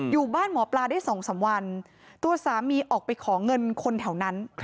อยู่บ้านหมอปลาได้๒๓วันตัวสามีออกไปขอเงินคนแถวนั้น